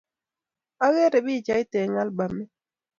Akere pichait eng' albamit